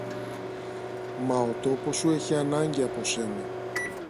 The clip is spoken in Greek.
Μα ο τόπος σου έχει ανάγκη από σένα.